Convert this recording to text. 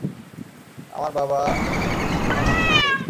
আমার বাবা আমার মাকে খুন করেছে।